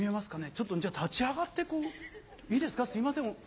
ちょっと立ち上がっていいですかすいません。